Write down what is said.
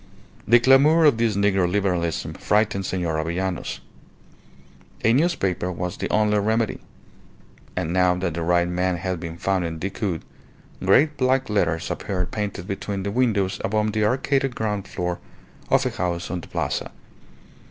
The clamour of this Negro Liberalism frightened Senor Avellanos. A newspaper was the only remedy. And now that the right man had been found in Decoud, great black letters appeared painted between the windows above the arcaded ground floor of a house on the Plaza.